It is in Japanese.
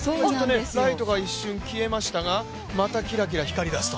ライトが一瞬、消えましたが、またキラキラ光り出すと。